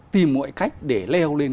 tìm mọi cách để leo lên